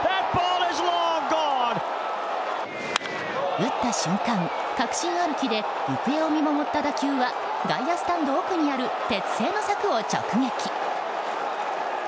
打った瞬間、確信歩きで行方を見守った打球は外野スタンド奥にある鉄製の柵を直撃。